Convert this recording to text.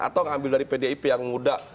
atau ngambil dari pdip yang muda